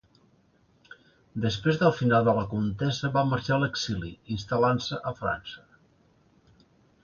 Després del final de la contesa va marxar a l'exili, instal·lant-se a França.